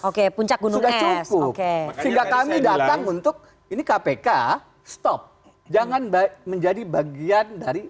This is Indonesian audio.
oke puncak gunung sudah cukup oke kita kami datang untuk ini kpk stop jangan baik menjadi bagian dari